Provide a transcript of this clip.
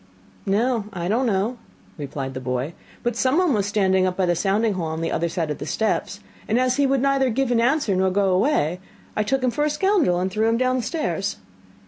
'No, I don't know,' replied the boy, 'but someone was standing by the sounding hole on the other side of the steps, and as he would neither give an answer nor go away, I took him for a scoundrel, and threw him downstairs.